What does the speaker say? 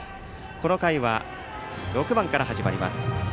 この回は６番から始まります。